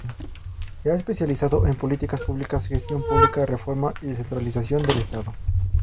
Se ha especializado en políticas públicas, gestión pública, reforma y descentralización del Estado.